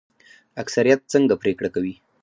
اکثریت څنګه پریکړه کوي؟